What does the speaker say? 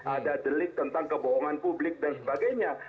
ada delik tentang kebohongan publik dan sebagainya